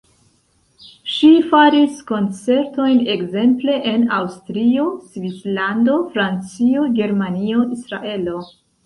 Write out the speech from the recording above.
Ŝi faris koncertojn ekzemple en Aŭstrio, Svislando, Francio, Germanio, Israelo.